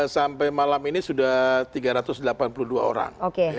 sampai malam ini sudah tiga ratus delapan puluh dua orang